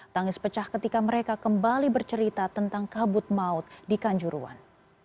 tangis pecah ketika mereka kembali bercerita tentang kabut maut di kanjuruan